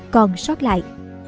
còn sót lại